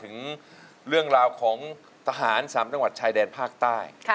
เพลงที่เจ็ดเพลงที่แปดแล้วมันจะบีบหัวใจมากกว่านี้